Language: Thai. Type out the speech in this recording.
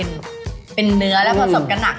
๘๐ต้องแพงนะ